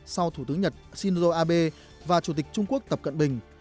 sau thủ tướng nhật shinzo abe và chủ tịch trung quốc tập cận bình